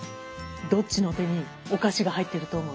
どっちの手にお菓子が入ってると思う？